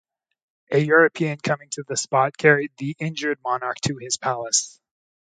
A European coming to the spot carried the injured monarch to his palace.